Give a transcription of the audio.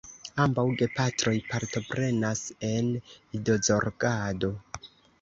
Ambaŭ gepatroj partoprenas en idozorgado.